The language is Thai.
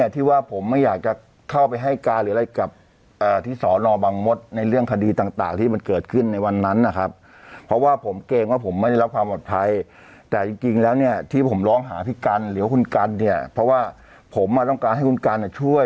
แต่จริงแล้วเนี่ยที่ผมร้องหาพี่กัลหรือคุณกัลเนี่ยเพราะว่าผมต้องการให้คุณกัลช่วย